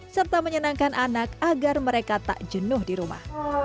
serta menyenangkan anak agar mereka tak jenuh di rumah